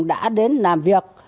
đã đến làm việc